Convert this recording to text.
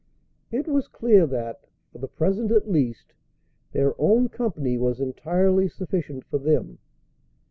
It was clear that, for the present at least, their own company was entirely sufficient for them.